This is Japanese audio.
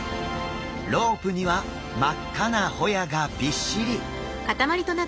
ロープには真っ赤なホヤがびっしり！